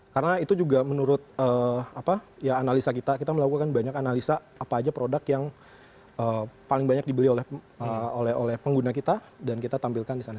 karena itu juga menurut analisa kita kita melakukan banyak analisa apa aja produk yang paling banyak dibeli oleh pengguna kita dan kita tampilkan di sana